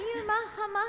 ハマ！